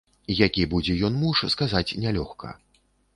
Які будзе ён муж, сказаць нялёгка.